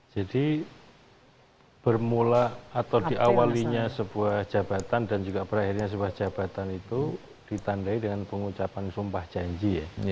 jadi bermula atau diawalinya sebuah jabatan dan juga berakhirnya sebuah jabatan itu ditandai dengan pengucapan sumpah janji